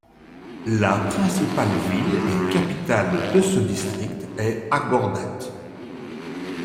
La principale ville et capitale de ce district est Agordat.